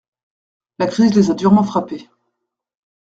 La crise les a durement frappés.